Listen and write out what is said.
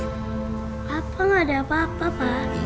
papa gak ada apa apa pak